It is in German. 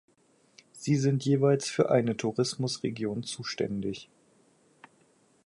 Sie sind jeweils für eine Tourismusregion zuständig.